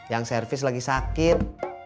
yang servis lagi sakit